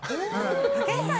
武井さん